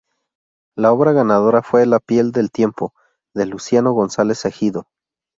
La obra ganadora fue La piel del tiempo de Luciano González Egido.